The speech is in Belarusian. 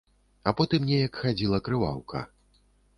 А потым неяк хадзіла крываўка.